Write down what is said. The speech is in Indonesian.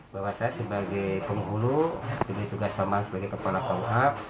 bahwa saya sebagai penghulu jadi tugas tambahan sebagai kepala kua